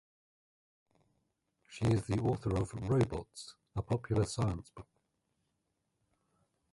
She is the author of "Robots", a popular science book.